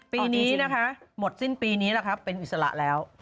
ปีนี้นะคะหมดสิ้นปีนี้แล้วครับเป็นอิสระแล้ว